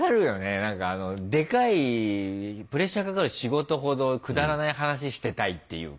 何かでかいプレッシャーかかる仕事ほどくだらない話してたいっていうか。